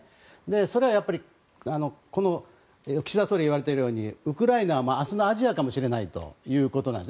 それは岸田総理が言われているようにウクライナは明日のアジアかもしれないということなんです。